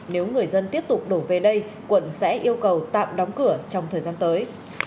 nếu người dân tiếp tục đổ về đây quận sẽ yêu cầu tạm đóng cửa trong thời gian tới